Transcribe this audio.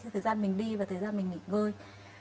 thời gian mình đi và thời gian mình nghỉ ngơi